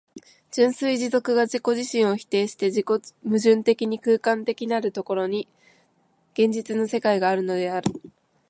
純粋持続が自己自身を否定して自己矛盾的に空間的なる所に、現実の世界があるのである。